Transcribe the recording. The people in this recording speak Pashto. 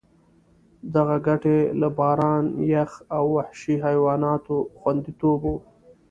دغه ګټې له باران، یخ او وحشي حیواناتو خوندیتوب وو.